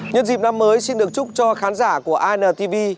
nhân dịp năm mới xin được chúc cho khán giả của intv